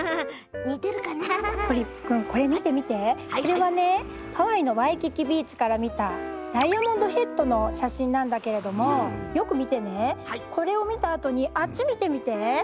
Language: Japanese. これはねハワイのワイキキビーチから見たダイヤモンドヘッドの写真なんだけれどもよく見てね、これを見たあとにあっち見てみて！